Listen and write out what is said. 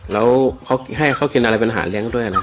แล้วให้เขากินอะไรเป็นอาหารเลี้ยงด้วย